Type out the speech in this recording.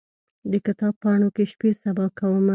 د کتاب پاڼو کې شپې سبا کومه